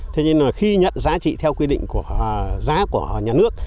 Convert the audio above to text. thế nhưng mà khi nhận giá trị theo quy định của giá của nhà nước